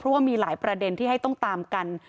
เพราะว่ามีหลายประเด็นที่ให้ต้องตามกัน